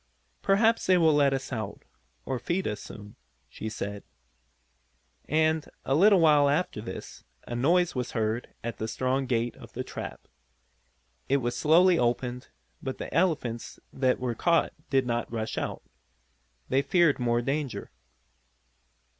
"Perhaps they will let us out, or feed us soon," she said. And, a little while after this, a noise was heard at the strong gate of the trap. It was slowly opened, but the elephants that were caught did not rush out. They feared more danger.